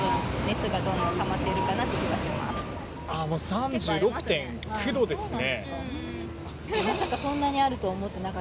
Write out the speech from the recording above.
３６．９度ですね。